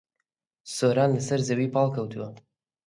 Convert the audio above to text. سۆران لەسەر زەوی پاڵکەوتووە.